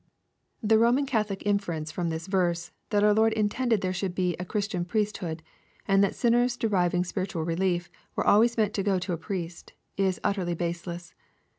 The Boman Catholic inference from this verse, that our Ix)rd in tended there should be a Christian priesthood, and that sinners deriving spiritual relief were always meant to go to a priest, is ut terly baseless.